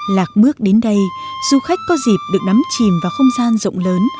lạc mước đến đây du khách có dịp được nắm chìm vào không gian rộng lớn